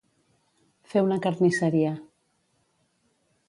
Fer una carnisseria.